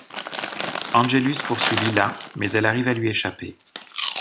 Angelus poursuit Lilah mais elle arrive à lui échapper.